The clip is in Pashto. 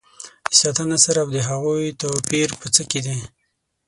د ساده نثر او هغوي توپیر په څه کې دي.